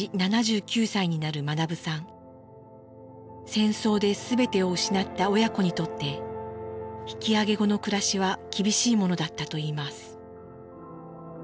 戦争で全てを失った親子にとって引き揚げ後の暮らしは厳しいものだったといいます。